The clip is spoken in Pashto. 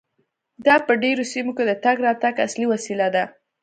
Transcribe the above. دا په ډیرو سیمو کې د تګ راتګ اصلي وسیله ده